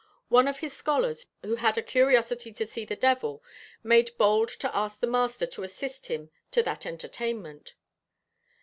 One of his scholars who had a curiosity to see the devil made bold to ask the master to assist him to that entertainment.